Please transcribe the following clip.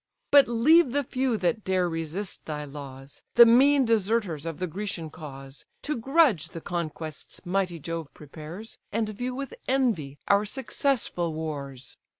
But leave the few that dare resist thy laws, The mean deserters of the Grecian cause, To grudge the conquests mighty Jove prepares, And view with envy our successful wars.